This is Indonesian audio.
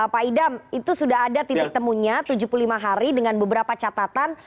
pak idam itu sudah ada titik temunya tujuh puluh lima hari dengan beberapa catatan